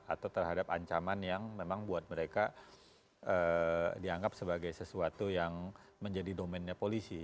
atau terhadap ancaman yang memang buat mereka dianggap sebagai sesuatu yang menjadi domennya polisi